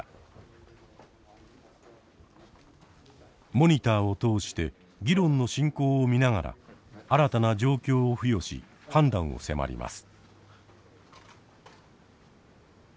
モニターを通して議論の進行を見ながら新たな状況を付与し判断を迫ります。